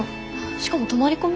しかも泊まり込み？